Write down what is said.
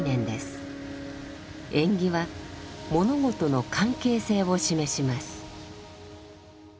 縁起は物事の関係性を示します。